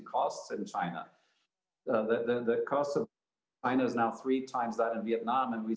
kos di china kostom di china sekarang tiga kali lebih besar dari di vietnam dan kami melihat